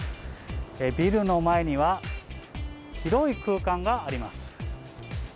ビルの前には、広い空間があります。